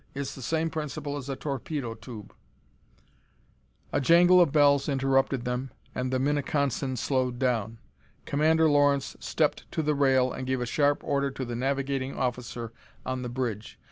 It is the same principle as a torpedo tube." A jangle of bells interrupted them and the Minneconsin slowed down. Commander Lawrence stepped to the rail and gave a sharp order to the navigating officer on the bridge.